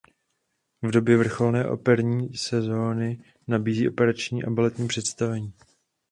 V době vrcholné operní sezóny nabízí operní a baletní představení.